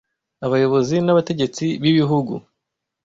Abayobozi n’abategetsi b’ibihugu